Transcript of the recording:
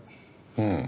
うん。